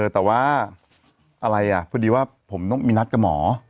แต่ว่าอะไรอ่ะพอดีว่าผมต้องมีนัดกับหมอ